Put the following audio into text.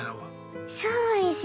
そうですね